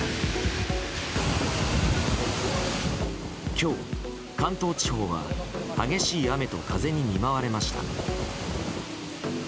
今日、関東地方は激しい雨と風に見舞われました。